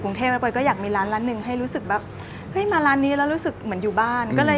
ใช่ค่ะอยากมาทานอะไรก็มาที่แล้วก็ทำให้ดู